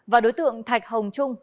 và đối tượng thạch hồng trung